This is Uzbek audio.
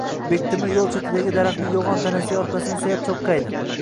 Bektemir yo`l chetidagi daraxtning yo`g`on tanasiga orqasini suyab cho`qqaydi